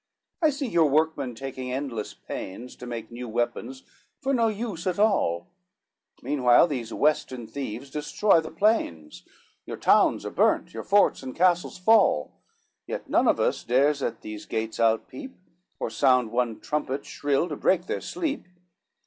I see your workmen taking endless pains To make new weapons for no use at all; Meanwhile these western thieves destroy the plains, Your towns are burnt, your forts and castles fall, Yet none of us dares at these gates out peep, Or sound one trumpet shrill to break their sleep.